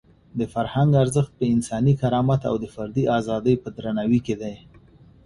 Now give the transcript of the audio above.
د فرهنګ ارزښت په انساني کرامت او د فردي ازادۍ په درناوي کې دی.